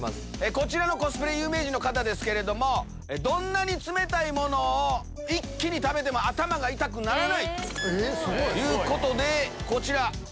こちらのコスプレ有名人の方ですけどもどんなに冷たいものを一気に食べても頭が痛くならない。ということでこちら！